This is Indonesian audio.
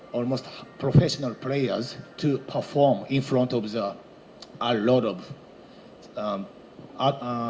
pemain profesional yang berperan di depan banyak penonton